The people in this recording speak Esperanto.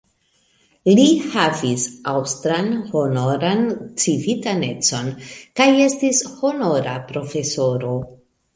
Li havis aŭstran honoran civitanecon kaj estis honora profesoro.